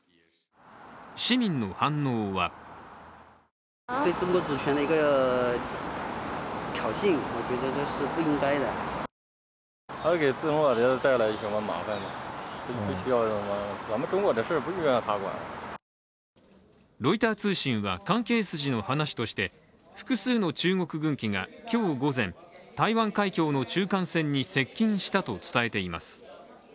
市民の反応はロイター通信は関係筋の話として複数の中国軍機が、今日午前、台湾海峡の中間線に接近したと伝えています。